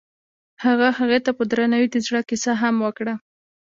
هغه هغې ته په درناوي د زړه کیسه هم وکړه.